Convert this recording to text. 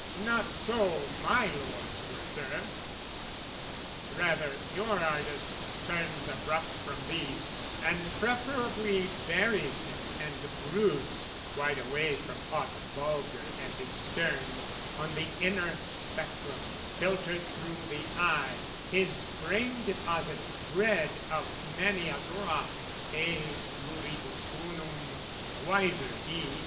not so my lords were served! Rather your artist turns abrupt from these, And preferably buries him and broods (Quite away from aught vulgar and extern) On the inner spectrum, filtered through the eye, His brain deposit, bred of many a drop, E pluribus unum: and the wiser he!